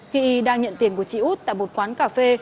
khi y đang nhận tiền của chị út tại một quán cà phê